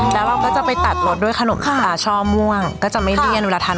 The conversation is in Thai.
แปลว่าก็จะไปตัดลดด้วยขนุนค่ะอ่าช่อม่วงก็จะไม่เลี่ยนเวลาทาน